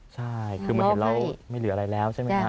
ใช่คือมันเห็นแล้วไม่เหลืออะไรแล้วใช่ไหมครับ